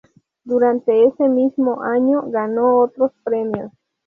Durante ese mismo año ganó otros premios.